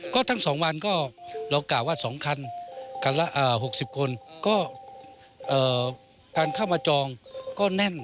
ก็ทั้ง๒วันก็เรากล่าวว่า๒คันคันละ๖๐คนก็การเข้ามาจองก็แน่น